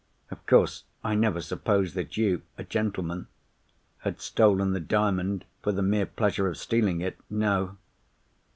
Of course, I never supposed that you—a gentleman—had stolen the Diamond for the mere pleasure of stealing it. No.